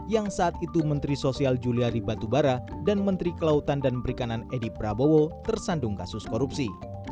yang saat itu menteri sosial juliari batubara dan menteri kelautan dan perikanan edi prabowo tersandung kasus korupsi